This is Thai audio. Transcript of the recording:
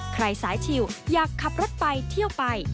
สายชิวอยากขับรถไปเที่ยวไป